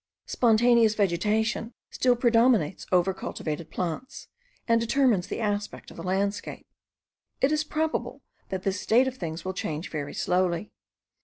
Spontaneous vegetation still predominates over cultivated plants, and determines the aspect of the landscape. It is probable that this state of things will change very slowly.